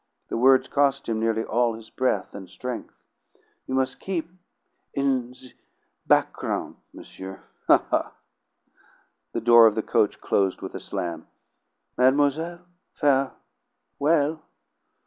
The words cost him nearly all his breath and strength. "You mus' keep in the backgroun', monsieur. Ha, ha!" The door of the coach closed with a slam. "Mademoiselle fare well!"